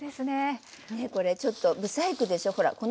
ねえこれちょっとブサイクでしょほら！